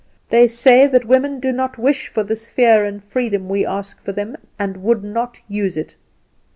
They say that women do not wish for the sphere and freedom we ask for them, and would not use it!